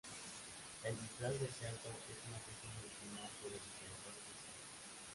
El Disfraz de Cerdo es una creación original de los diseñadores de Saw.